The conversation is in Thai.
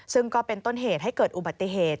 ซึ่งก็เป็นต้นเหตุให้เกิดอุบัติเหตุ